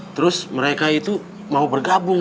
terus mereka itu mau bergabung